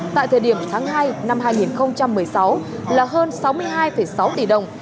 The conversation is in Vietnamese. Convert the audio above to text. tại thời điểm tháng hai năm hai nghìn một mươi sáu là hơn sáu mươi hai